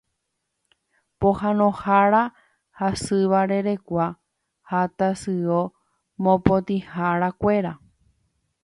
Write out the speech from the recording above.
Pohãnohára, hasyvarerekua ha tasyo mopotĩharakuéra